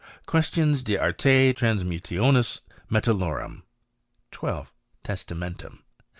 Questiones de Arte Transmutationis Metal^ lorum. 12. Testamentum.